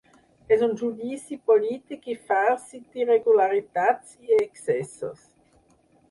És un judici polític i farcit d’irregularitats i excessos.